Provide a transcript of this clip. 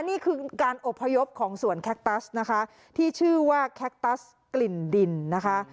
นี่คือการอบพยพของสวนแคคตัสนะคะที่ชื่อว่าแคคตัสกลิ่นดินนะคะ